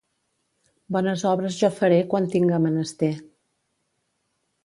Bones obres jo faré quan tinga menester.